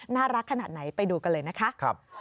น่ารักขนาดไหนไปดูกันเลยนะคะ